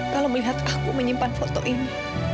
kalau melihat aku menyimpan foto ini